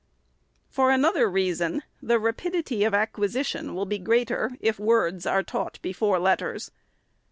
For another reason, the rapidity of acquisition will be greater, if words are taught before letters.